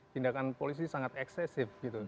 tindakan polisi sangat eksesif